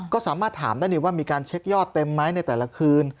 ก็สามารถถามได้ว่ามีการเช็คยอดเต็มไหมในแต่ละคืน